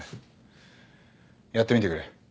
やってみてくれ。